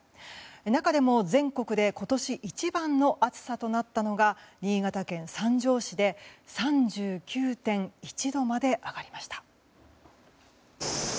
中でも、全国で今年一番の暑さとなったのが新潟県三条市で３９．１度まで上がりました。